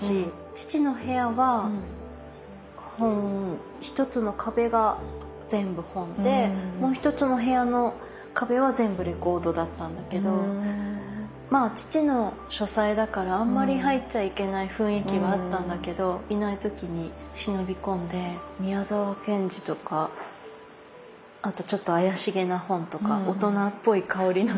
父の部屋は本一つの壁が全部本でもう一つの部屋の壁は全部レコードだったんだけど父の書斎だからあんまり入っちゃいけない雰囲気はあったんだけどいない時に忍び込んで宮沢賢治とかあとちょっと怪しげな本とか大人っぽい香りのする本とか。